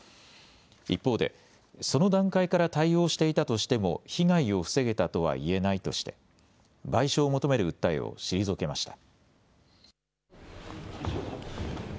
一方でその段階から対応していたとしても被害を防げたとは言えないとして賠償を求める訴えを退けました。